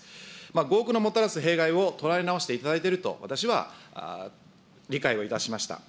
合区のもたらす弊害を捉え直していただいていると、私は理解をいたしました。